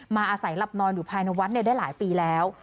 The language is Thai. อาศัยหลับนอนอยู่ภายในวัดได้หลายปีแล้ว